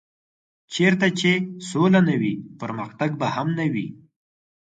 چېرته چې سوله نه وي پرمختګ به هم نه وي.